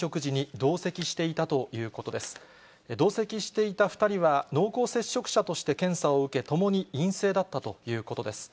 同席していた２人は、濃厚接触者として検査を受け、ともに陰性だったということです。